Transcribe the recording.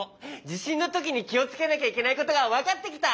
じしんのときにきをつけなきゃいけないことがわかってきた！